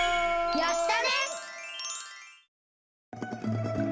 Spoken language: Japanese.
やったね！